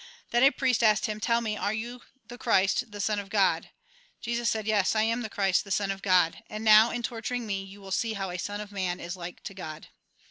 Then a priest asked him :" Tell me, are you the Christ, the Son of God ?" Jesus said :" Yes, I am the Christ, the Son of God ; and now, in torturing me, you will see how a Son of Man is like to God."